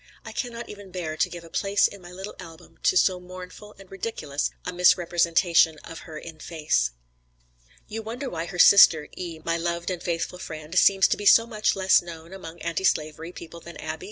I cannot even bear to give a place in my little album to so mournful and ridiculous a misrepresentation of her in face." "You wonder why her sister, E., my loved and faithful friend, seems to be so much less known among anti slavery people than Abbie?